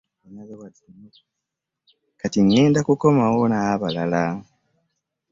Kati ŋŋenda kukomawo n'abalala.